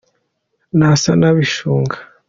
Ntasa n’abishunga